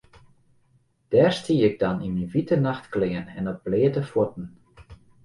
Dêr stie ik dan yn myn wite nachtklean en op bleate fuotten.